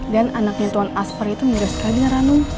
dan anaknya tuhan aspar itu menyerah sekali dengan ranum